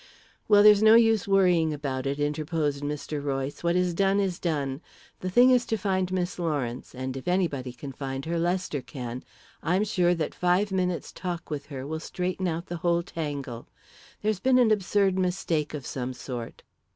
"Well, there's no use worrying about it," interposed Mr. Royce. "What is done is done. The thing is to find Miss Lawrence, and if anybody can find her, Lester can. I'm sure that five minutes' talk with her will straighten out the whole tangle. There's been an absurd mistake of some sort."